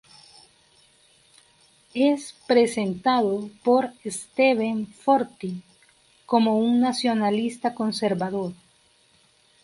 Es presentado por Steven Forti como un nacionalista conservador.